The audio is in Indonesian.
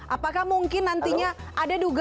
apakah mungkin nantinya